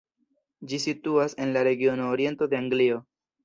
Ĝi situas en la regiono Oriento de Anglio.